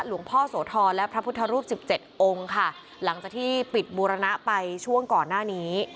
หลวงพ่อโสธรและพระพุทธรูปสิบเจ็ดองค์ค่ะหลังจากที่ปิดบูรณะไปช่วงก่อนหน้านี้